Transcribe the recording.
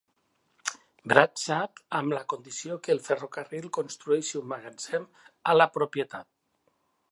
Bradshaw amb la condició que el ferrocarril construeixi un magatzem a la propietat.